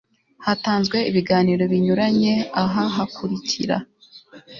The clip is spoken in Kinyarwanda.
hatanzwe ibiganiro binyuranye aha hakurikira